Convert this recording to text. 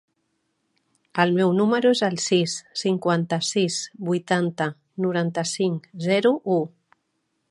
El meu número es el sis, cinquanta-sis, vuitanta, noranta-cinc, zero, u.